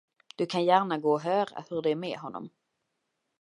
Du kan gärna gå och höra, hur det är med honom.